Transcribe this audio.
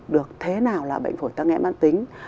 được thế nào là bệnh phổi tắc nhém mạng tính